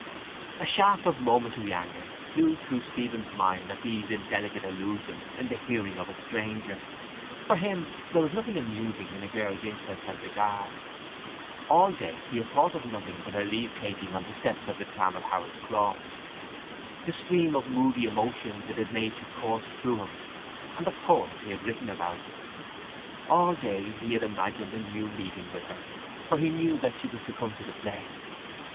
A shaft of momentary anger flew through Stephen's mind at these indelicate allusions in the hearing of a stranger. For him there was nothing amusing in a girl's interest and regard. All day he had thought of nothing but their leavetaking on the steps of the tram at Harold's Cross, the stream of moody emotions it had made to course through him and the poem he had written about it. All day he had imagined a new meeting with her for he knew that she was to come to the play.